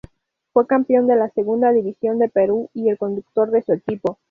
Fue campeón de la Segunda División del Perú y el conductor de su equipo.